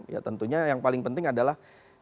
ya tentunya yang paling penting adalah